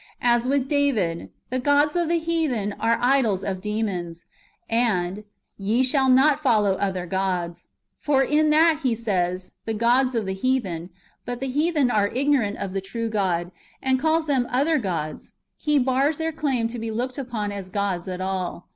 As with David :" The gods of the heathen are idols of demons;"^ and, "Ye shall not follow other gods."^ For in that he says "the gods of the heathen" — but the heathen are ignorant of the true God — and calls them " other gods," he bars their claim [to be looked upon] as gods at all.